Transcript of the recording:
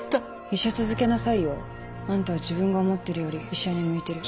医者続けなさいよ。あんたは自分が思ってるより医者に向いてる。